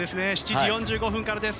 ７時４５分からです。